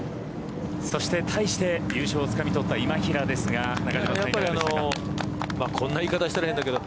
そして、対して優勝をつかみ取った今平ですがこんな言い方したら変だけど